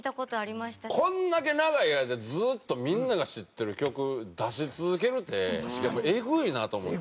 こんだけ長い間ずっとみんなが知ってる曲出し続けるってやっぱエグいなと思って。